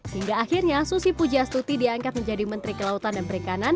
hingga akhirnya susi pujastuti diangkat menjadi menteri kelautan dan perikanan